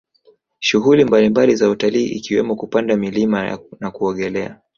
Shughuli mbalimbali za utalii ikiwemo kupanda milima na kuogelea